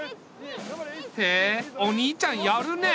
へえお兄ちゃんやるねえ。